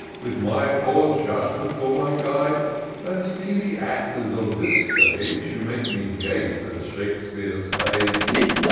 With my poor judgment for my guide, Than see the actors of this stage, Who make me gape at Shakespeare's page.